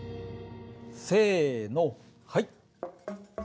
せのはい！